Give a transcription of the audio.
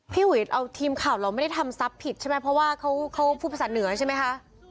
อุ๋ยเอาทีมข่าวเราไม่ได้ทำทรัพย์ผิดใช่ไหมเพราะว่าเขาพูดภาษาเหนือใช่ไหมคะ